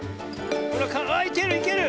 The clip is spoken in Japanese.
ほらあっいけるいける！